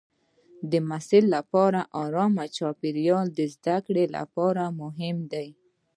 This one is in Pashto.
د محصل لپاره ارام چاپېریال د زده کړې لپاره مهم دی.